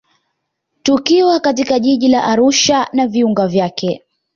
Tukiwa katika jiji la Arusha na viunga vyake